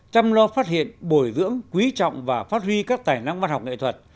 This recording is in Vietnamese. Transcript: chăm lo phát hiện bồi dưỡng quý trọng và phát huy các tài năng văn học nghệ thuật